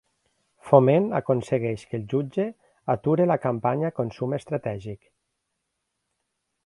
Foment aconsegueix que el jutge ature la campanya Consum Estratègic